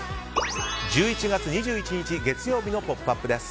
１１月２１日、月曜日の「ポップＵＰ！」です。